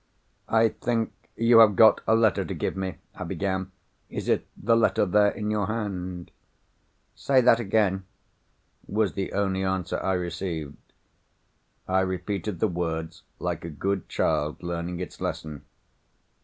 "I think you have got a letter to give me," I began. "Is it the letter there, in your hand?" "Say that again," was the only answer I received. I repeated the words, like a good child learning its lesson.